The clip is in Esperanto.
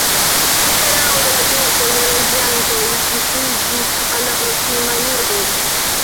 Dum erao de la turkoj la loĝantoj rifuĝis al la proksimaj urboj.